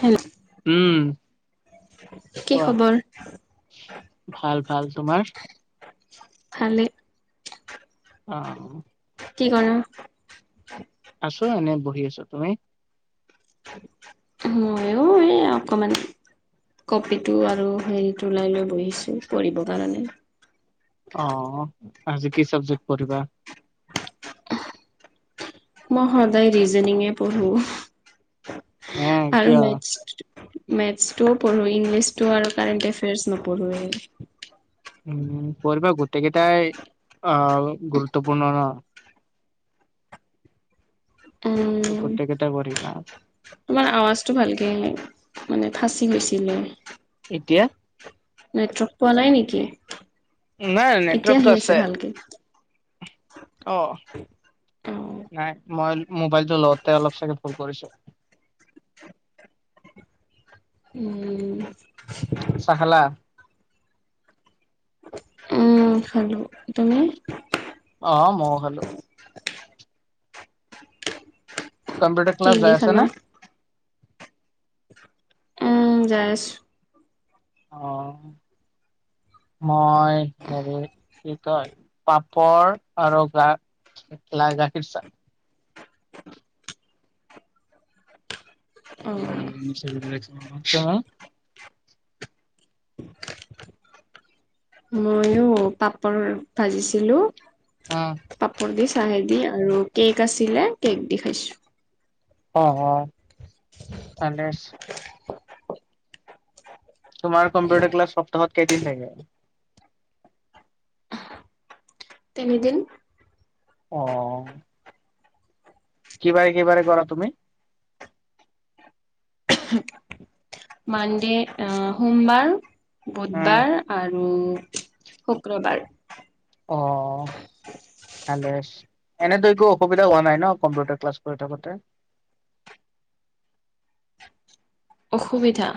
Hello, উম, কি কোৱা খবৰ? ভাল ভাল, তোমাৰ? ভালেই। অ', অ', অ', অ'। কি গৰম। আছোঁ, এনেই বহি আছোঁ। তুমি? ময়ো এনেই অকমান। কপিটো আৰু হেৰিটো ওলাই লৈ বহিছোঁ, পঢ়িবৰ কাৰণে। অ', অ', আজি কি চাবজেক্ট পঢ়িবা? মই সদায় ৰিজেনিঙে পঢ়ো, হে আৰু কিয় মেটছ্। মেটছ্ টোও পঢ়ো, ইংলিছ টো আৰু কাৰেণ্ট এফয়াৰ্চ নপঢ়োএ। উম্, পঢ়িবা গোটেইকেইটাই অ', গুৰুত্বপূৰ্ণ ন। তো উম গোটেইকেইটা পঢ়িবা। তোমাৰ আৱাজটো ভালকে অহা নাই, মানে ফাঁচি গৈছিলে। এতিয়া? নেটৱৰ্ক পোৱা নাই নেকি? নাই এতিয়া আহি নেটৱৰ্কটো আছে। ভালকে অ', অ নাই মই মোবাইলটো- লওঁতে অলপ চাগে ভুল কৰিছোঁ। উম্। চাহ খালা? উম্ খালোঁ, তুমি? অ', মইয়ো খালোঁ। কম্পিউটাৰ কি ক্লাছ দি যায় আছাঁ খালা নে? উম্, যাই আছোঁ। অ' মই হেৰি, কি কয়? পাপৰ আৰু গাখীৰ চাহ। অ হা, হা। মইয়ো পাপৰ ভাজিছিলো। অ'। পাপৰ দি, চাহে দি আৰু কেক আছিলে, কেক দি খাইছোঁ। অ', অ', ভালে হৈছে। তোমাৰ কম্পিউটাৰ ক্লাছ সপ্তাহত কেইদিন থাকে। তিনিদিন। অ'। কি বাৰে, কি বাৰে কৰা তুমি? মানডে', আহ' সোমবাৰ, উম। বুধবাৰ আৰু শুক্ৰবাৰ। অহ'। ভালে আছে। এনেদৰে একো অসুবিধা হোৱা নাই ন, কম্পিউটাৰ ক্লাছ কৰি থাকোতে? অসুবিধা?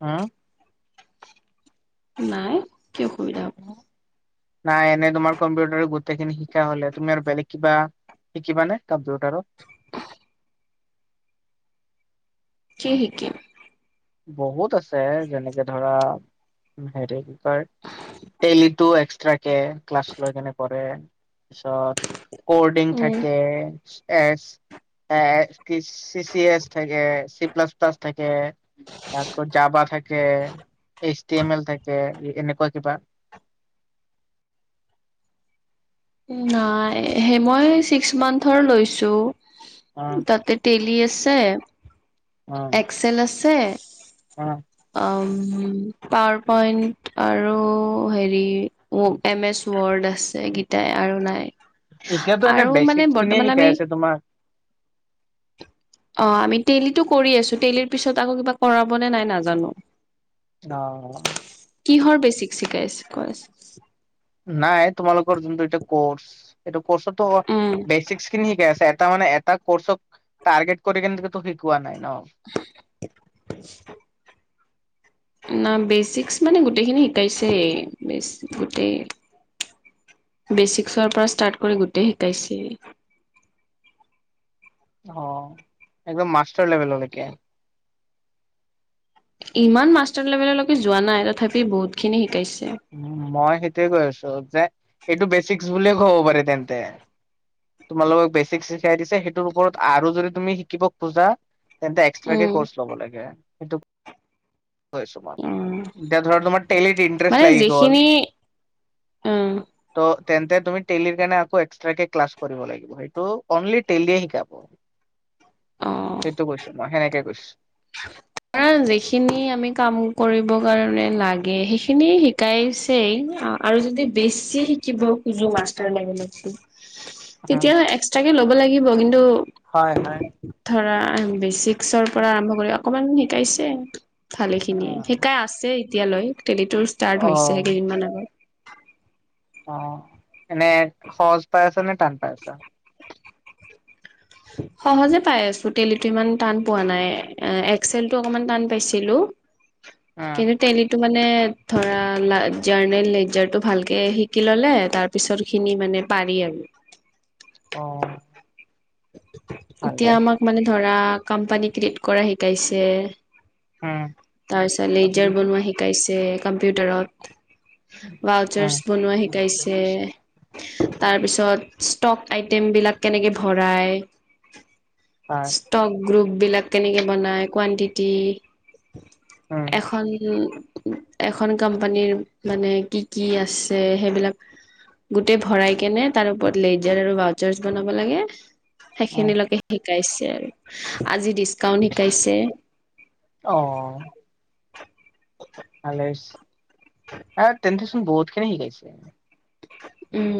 উম। নাই, কি অসুবিধা হ'ব। নাই, এনে তোমাৰ কম্পিউটাৰ গোটেইখিনি শিকা হ'লে, তুমি আৰু বেলেগ কিবা শিকিবানে কম্পিউটাৰত? কি শিকিম? বহুত আছে, যেনেকে ধৰা হেৰি কি কয়, টেলিটো এক্সট্ৰাক কে ক্লাছ লৈ কেনে কৰে, পিছত কৰ্ডিং উম থাকে, এছ এ এ কি চি চি এছ থাকে, চি প্লাছ প্লাছ থাকে। তা যাবা থাকে, এইচটি এম এল থাকে, এনেকুৱা কিবা নাই, সে মই ছিক্স মান্থৰ লৈছো। অ তাতে তেলি আছে, অ'। ছেল আছে? অ'। অম, পাৱাৰ পইণ্ট আৰু হেৰি এম এছ ৱৰ্ড আছে। এগীতাই আৰু নাই। এতিয়াতো এনে আৰু মানে বেচিক্ খিনিয়ে বৰ্তমান শিকাই আমি আছে তোমাৰ? অ', আমি তেলিটো কৰি আছো। তেলিৰ পিছত আকৌ কিবা কৰাব নে নাই নাজানো। অ', অ। কিহৰ বেছিক শিকাইছে। [unintelligible] নাই, তোমালোকৰ যোনটো এটো কৰ্চ এইটো কৰ্চতো উম বেচিক খিনি শিকাই আছে। এটা মানে এটা কৰ্চক টাৰ্গেট কৰি কিন্তু শিকোৱা নাই ন'? [inaudible] না বেচিকচ মানে গোটেইখিনি শিকাইছেই, বেচ গোটেই বেছিক্সৰ পৰা ষ্টাৰ্ট কৰি গোটেই শিকাইছেই। অ', একদম মাষ্টাৰ লেভেললৈকে? ইমান মাষ্টাৰ লেভেললৈকে যোৱা নাই। তথাপি বহুতখিনি শিকাইছে। উ মই সেইটোয়ে কৈ আছো যে, এইটো বেচিকচ বুলিয়ে কব পাৰি তেন্তে। তোমালোকক বেচিকছ শিকাই দিছে। সেইটোৰ ওপৰত আৰু যদি তুমি শিকিব খোজা, তেন্তে এক্সট্ৰাকে উম ক'ৰ্চ ল'ব লাগে। সেইটো কৈ আছোঁ মই। উম এতিয়া ধৰ তোমাৰ টেলিত মানে ইন্টাৰেষ্ট লাগি গ'ল? যিখিনি উম ত'তেন্তে তুমি টেলিৰ কাৰণে আকৌ এক্সট্ৰাকে ক্লাছ কৰিব লাগিব। সেইটো অনলি টেলীয়ে শিকাব। অ সেইটো কৈছো মই, সেনেকে কৈছো। কাৰ যিখিনি আমি কাম কৰিব কাৰণে লাগে সেইখিনি শিকাইছেই অ। আৰু যদি বেছি শিকিব খোজো মাষ্টাৰ লেভেলৰটো [inaudible] তেতিয়া এক্সট্ৰাকে ল'ব লাগিব কিন্তু হয়, হয়। ধৰা বেচিক্সৰ পৰা আৰম্ভ কৰি অকমান শিকাইছে। ভালে খিনিয়ে শিকাই আছে এতিয়ালৈ তেলিটো ষ্টাৰ্ট অ হৈছে কেইদিনমান আগত। অ', এনে সহজ পাই আছ নে টান পাই আছা? [inaudible] সহজে পাই আছোঁ তেলিটো ইমান টান পোৱা নাই এক্সেলটো অকণমান টান পাইছিলোঁ। কিন্তু তেলি মানে ধৰা জাৰ্নেল নেজাৰটো ভালকে শিকি ল'লে তাৰ পিছৰখিনি মানে পাৰি আৰু। অ'। ভালে এতিয়া আমাক মানে ধৰা কম্পানী ক্ৰিয়েট কৰা শিকাইছে। উম তাৰপিছত লেজাৰ বনোৱা শিকাইছে কম্পিউটাৰত। বাউচাৰছ বনোৱা শিকাইছে। তাৰপিছত ষ্টক আইটেম বিলাক কেনেকে ভৰাই। হয় ষ্টক গ্ৰুপ বিলাক কেনেকে বনাই কোৱানটিটি। উম এখন এখন কোম্পানীৰ মানে কি, কি আছে সেইবিলাক গোটেই ভৰাই কেনে তাৰ ওপৰত লেজাৰ আৰু বাউচাৰছ বনাব লাগে উম সেইখিনিলৈকে শিকাইছে আৰু আজি ডিচকাউণ্ট শিকাইছে। অ'। [inaudible] তেন্তেচোন বহুত খিনি শিকাইছে। উম,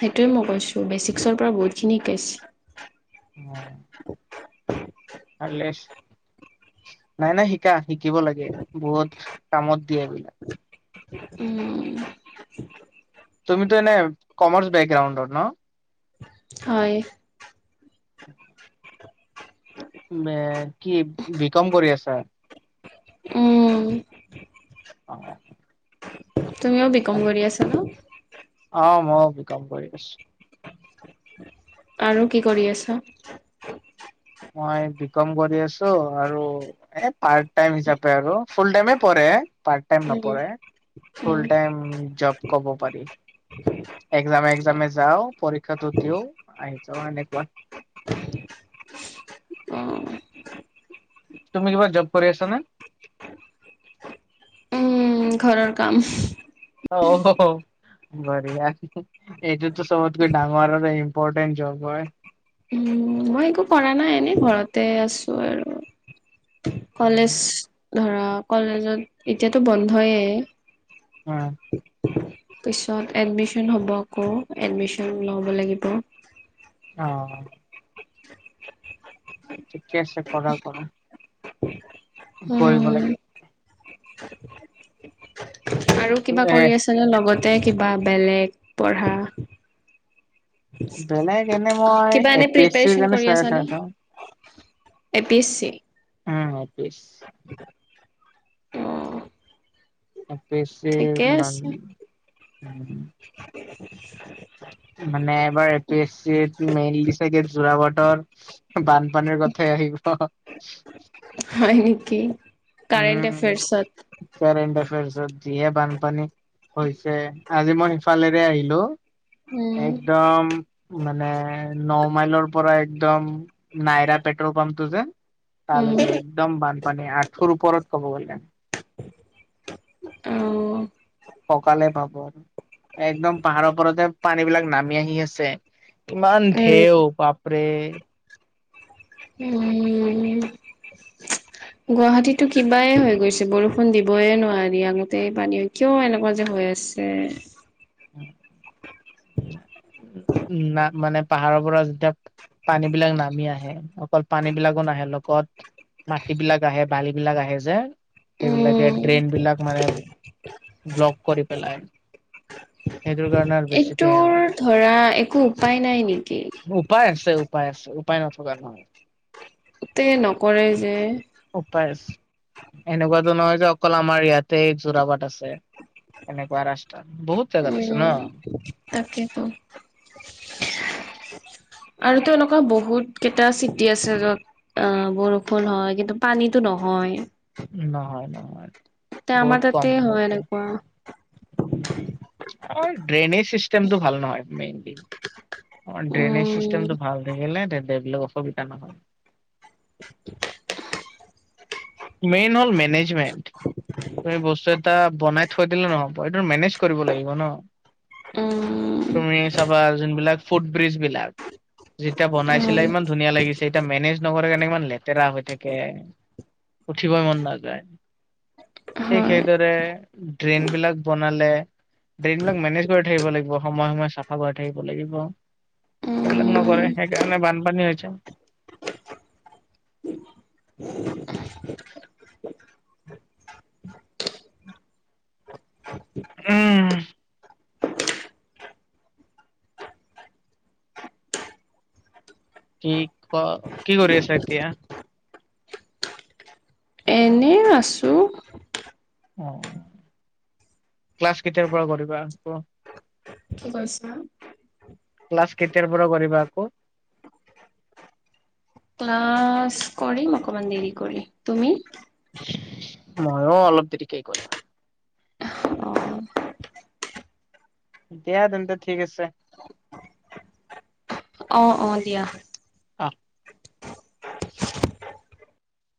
সেইটোৱে মই কৈছোঁ বেচিক্সৰ পৰা বহুতখিনি শিকাইছে। অ'। ভালে হৈছে। নাই, নাই শিকা শিকিব লাগে বহুত কামত দিয়ে এইবিলাক। উম। তুমিতো এনে কমাৰ্চ বেকগ্ৰাউণ্ডৰ ন। হয়। [inaudible] কি বি কম কৰি আছা উম। [inaudible] তুমিও বি কম ভালে। কৰি আছা ন। অ', মইও বি কম কৰি আছোঁ। আৰু কি কৰি আছা? মই বি কম কৰি আছো আৰু এ পাৰ্ট টাইম হিচাপে আৰু। ফুল টাইমে পৰে পাৰ্ট টাইম উম, নপঢ়ে ৰে উম, ফুলটাইম জব কব পাৰি এক্সামে এক্সামে যাও পৰীক্ষাটো দিওঁ আহি যাওঁ এনেকুৱা [inaudible] তুমি কিবা জব কৰি আছা নে? উম, ঘৰৰ কাম। অ' বঢ়িয়া এইটো চবতকে ডাঙৰ আৰু ইম্পৰ্টেণ্ট জব হয়। উম মই একো কৰা নাই এনেই ঘৰতে আছোঁ আৰু। উম, কলেজ ধৰা কলেজত এতিয়াতো বন্ধয়ে। [inaudible] পিছত এডমিশন হ'ব আকৌ এডমিশন ল'ব লাগিব। অ'। ঠিকে আছে কৰা, কৰা। কৰিব উম, লাগি আৰু কিবা এ কৰি আছে নে লগতে কিবা বেলেগ পঢ়া। বেলেগ এনে মই কিবা এ এনে পি এছ চিৰ প্ৰিপেৰেচন কাৰণে কৰি চাই আছা চাই নে? চাওঁ এ পি এছ চি। উম এ পি এছ উম। A P S C. [unintelligible] [inaudible] মানে এবাৰ A P S C mainly চাগে যোৰাবাটৰ বানপানীৰ কথাই আহিব। হয় নেকি। কাৰেণ্ট উম। এফেয়াৰ্চত কাৰেণ্ট এফেয়াৰ্চত যিহে বানপানী হৈছে আজি মই সিফালেৰে আহিলোঁ। উম, একদম। মানে ন মাইলৰ পৰা একদম নাইৰা পেট্ৰল পাম্পটো যে। উম, তালৈকে একদম বানপানী আঁঠুৰ ওপৰত ক'ব গ'লে। অ'। কঁকালে পাব একদম পাহাৰৰ পৰা যে পানী বিলাক নামি আহি আছে। কিমান উম, ঢেও বাপৰে। উম। [inaudible] গুৱাহাটীতো কিবাই হৈ গৈছে, বৰষুণ দিবই নোৱাৰি, আগতে পানী [unintelligible] কিয় এনেকুৱা যে হৈ আছে। [unintelligible] উ না মানে। পাহাৰৰ পৰা যেতিয়া পানী বিলাক নামি আহে, অকল পানী বিলাকো নাহে লগত। মাটি বিলাক আহে, বালি বিলাক আহে যে, সেইবিলাকে উম, ড্ৰেইন বিলাক মানে। ব্লক কৰি পেলাই। সেইটোৰ কাৰণে, বেছিকে এইটোৰ হয় ধৰা একো উপায় নাই নেকি? উপায় আছে। উপায় আছে' উপায় নথকাৰ নহয়। তে নকৰে যে। উপায় এনেকুৱাতো নহয় যে অকল আমাৰ ইয়াতেই যোৰাবাট আছে, এনেকুৱা ৰাস্তাত। উম, তাকেতো। আৰু টো এনেকোৱা বহুত কেইটা চিটি আছে য'ত অ' বৰষুণ হয়, কিন্তু পানীটো নহয়। নহয়, নহয়। তে আমাৰ বহুত তাতে হয় এনেকুৱা। অ, ড্ৰেইনেছ। চিষ্টেমটো ভাল নহয় মেইনলি, আমাৰ ড্ৰেইনেজ উম চিষ্টেমটো ভাল নহ'লে তেন্তে এইবিলাক সুবিধা নহয়। [inaudible] মেইন হ'ল মেনেজমেণ্ট, তুমি বস্তু এটা বনাই থৈ দিলে নহ'ব এইটো মেনেজ কৰিব লাগিব ন, উম তুমি চাবা যোনবিলাক ফুট ব্ৰিজ বিলাক, যেতিয়া বনাইছিলে উম ইমান ধুনীয়া লাগিছিল। এতিয়া মেনেজ নকৰে কেনে ইমান লেতেৰা হৈ থাকে। উঠিবই মন নাযায়, ঠিক হয় সেইদৰে ড্ৰেইন বিলাক বনালে, ড্ৰেইন বিলাক মেনেজ কৰি থাকিব লাগিব, সময় সময় চাফা কৰাই থাকিব লাগিব। সেইবিলাক নকৰে, উম সেইকাৰণে বানপানী হৈছে। উম। কি ক, কি কৰি আছা এতিয়া? এই আছো। অঁ, ক্লাছ কেতিয়াৰ পৰা কৰিবা আকৌ? কি কৈছা? ক্লাছ কেতিয়াৰ পৰাৰ কৰিবা আকৌ? ক্লাছ কৰিম অকমান দেৰি কৰি, তুমি? ময়ো অলপ দেৰিকে কৰিম। অ দিয়া তেন্তে, ঠিক আছে। অঁ অঁ দিয়া। আহ